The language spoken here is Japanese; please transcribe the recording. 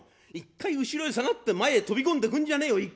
一回後ろへ下がって前へ飛び込んでくんじゃねえよ！